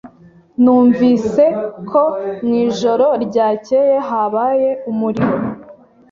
Numvise ko mwijoro ryakeye habaye umuriro.